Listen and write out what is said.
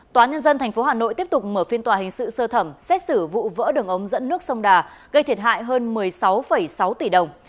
tòa nhân dân tp hà nội tiếp tục mở phiên tòa hình sự sơ thẩm xét xử vụ vỡ đường ống dẫn nước sông đà gây thiệt hại hơn một mươi sáu sáu tỷ đồng